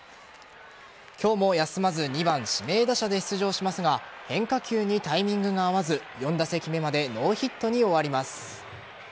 今日も休まず２番・指名打者で出場しますが変化球にタイミングが合わず４打席目までノーヒットに終わります。